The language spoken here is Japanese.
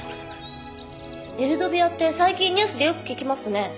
エルドビアって最近ニュースでよく聞きますね。